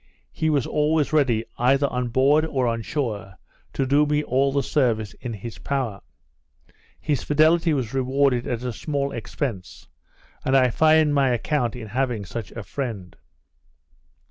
He was always ready, either on board or on shore, to do me all the service in his power: His fidelity was rewarded at a small expence, and I found my account in having such a friend.